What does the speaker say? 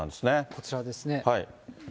こちらですね。